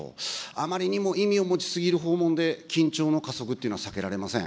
あまりにも意味を持ちすぎる訪問で、緊張の加速っていうのは避けられません。